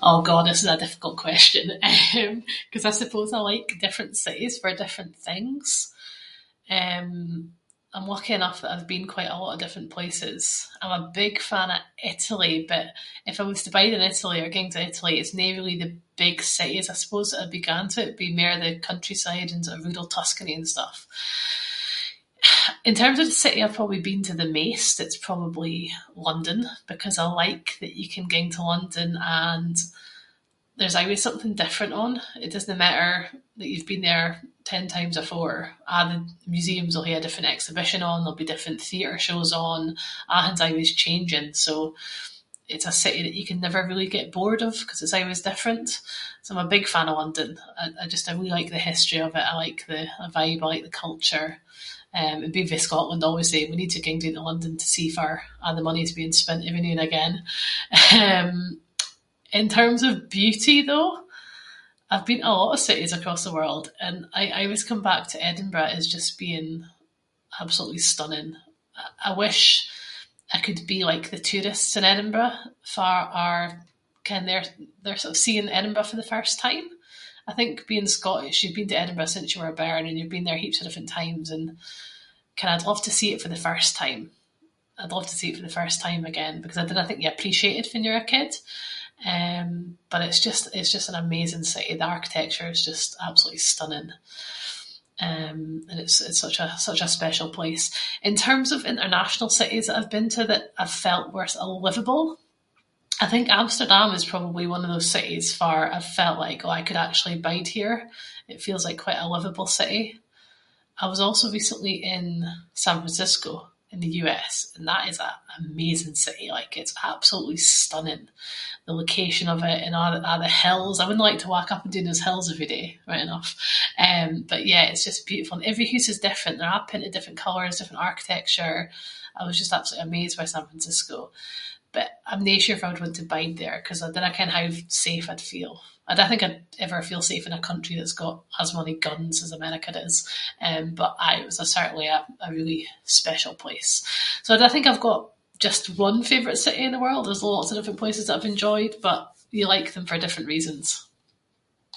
Oh god, this is a difficult question, eh ‘cause I suppose I like different cities for different things. Eh, I’m lucky enough that I’ve been quite a lot of different places. I’m a big fan of Italy but if I was to bide in Italy or ging to Italy, it’s no really the big cities I suppose that I’d be going to, it’d be mair the countryside and sort of rural Tuscany and stuff. In terms of the city I’ve probably been to the maist, it’s probably London, because I like that you can ging to London and there’s aieways something different on. It doesnae matter that you’ve been there ten times afore, a’ the museums’ll hae a different exhibition on there’ll be different theatre shows on, athing’s aieways changing so, it’s a city that you can never really get bored of ‘cause it’s aieways different. So, I’m a big fan of London, and I just- I really like the history of it, I like the vibe, I like the culture. Eh and being fae Scotland I always say, we need to ging doon to London to see farr a’ the money’s being spent every noo and again. Eh in terms of beauty though, I’ve been to a lot of cities across the world and I aieways come back to Edinburgh as just being absolutely stunning. I wish I could be like the tourists in Edinburgh, fa are- ken they’re sort of seeing Edinburgh for the first time. I think being Scottish, you’ve been to Edinburgh since you were a bairn and you’ve been there heaps of different times and ken, I’d love to see it for the first time- I’d love to see it for the first time again, because I dinna think you appreciate it fann you’re a kid. Eh but it’s just- it’s just an amazing city, the architecture is just absolutely stunning. Eh and it’s such a- such a special place. In terms of international cities that I’ve been to that I’ve felt were liveable, I think Amsterdam is probably one of those cities farr I’ve felt like oh I could actually bide here. It feels like quite a liveable city. I was also recently in San Francisco in the US and that is an amazing city, like- like it’s absolutely stunning. The location of it and a’ the hills, I wouldnae like to walk up and doon those hills everyday right enough. Eh but yeah, it’s just beautiful and every hoose is different, they’re a’ painted different colours, different architecture. I was just absolutely amazed by San Francisco. But I’m no sure if I would want to bide there ‘cause I dinna ken how safe I’d feel. I dinna think I’d ever feel safe in a country that’s got as many guns as America does. Eh but aye it was certainly a- a really special place. So, I think I’ve got just one favourite city in the world, there’s lots of different places that I’ve enjoyed, but you’ll like them for different reasons.